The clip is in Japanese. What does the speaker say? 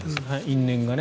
因縁がね。